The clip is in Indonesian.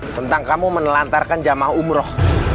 tentang kamu menelantarkan jamaah umroh